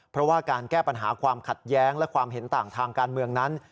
เพราะว่าการแก้ปัญหาความขัดแย้งและความเห็นต่างทางการเมืองนั้น